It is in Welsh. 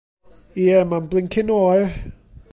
Ie, mae'n blincin oer!